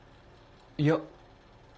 いや。